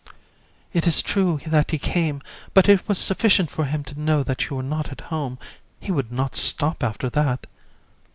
JU. It is true that he came, but it was sufficient for him to know that you were not at home; he would not stop after that.